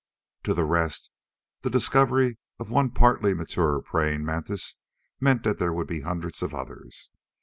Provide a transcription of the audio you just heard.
To the rest, the discovery of one partly mature praying mantis meant that there would be hundreds of others.